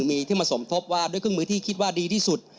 มีที่มาสมทบว่าด้วยเครื่องมือที่คิดว่าดีที่สุด